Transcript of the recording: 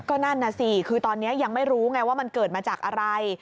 ก็นั่นน่ะสิคือตอนนี้ยังไม่รู้ไงว่ามันเกิดมาจากอะไร